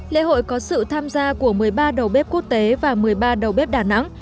lễ hội có sự tham gia của một mươi ba đầu bếp quốc tế và một mươi ba đầu bếp đà nẵng